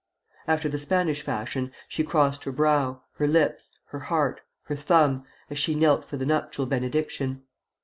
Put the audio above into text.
After the Spanish fashion, she crossed her brow, her lips, her heart, her thumb, as she knelt for the nuptial benediction.